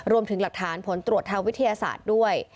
รวมถึงหลักฐานผลตรวจทางวิทยาศาสตร์ด้วย